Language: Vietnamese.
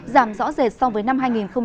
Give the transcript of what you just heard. giảm rõ rệt so với năm hai nghìn một mươi tám